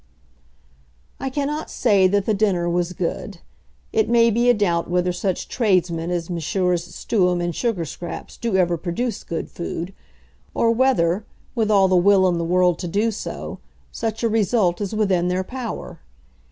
I cannot say that the dinner was good. It may be a doubt whether such tradesmen as Messrs. Stewam and Sugarscraps do ever produce good food; or whether, with all the will in the world to do so, such a result is within their power.